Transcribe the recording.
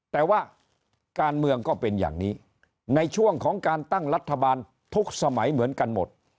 แต่ว่าการเมืองก็เป็นอย่างนี้ในช่วงของการตั้งรัฐบาลทุกสมัยเหมือนกันหมด